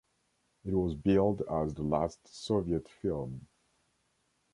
It was billed as The Last Soviet Film.